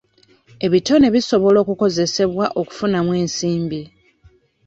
Ebitone bisobola okukozesebwa okufunamu ensimbi .